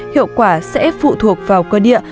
hiệu quả sẽ phụ thuộc vào cơ địa